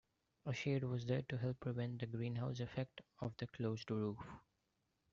A shade was there to help prevent the greenhouse effect of the closed roof.